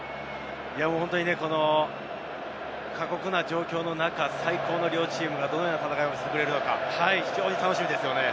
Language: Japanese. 本当に過酷な状況の中、最高の両チームがどのような戦いをしてくれるのか非常に楽しみですね。